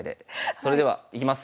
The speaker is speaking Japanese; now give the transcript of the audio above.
それではいきます。